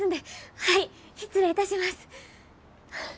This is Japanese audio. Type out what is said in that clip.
はい失礼いたします。